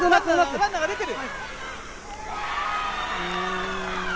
ランナーが出ている。